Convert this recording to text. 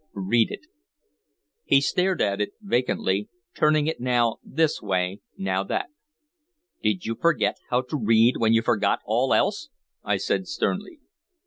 "Read it." He stared at it vacantly, turning it now this way, now that. "Did you forget how to read when you forgot all else?" I said sternly.